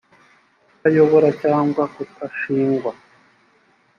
kutayobora cyangwa kutashingwa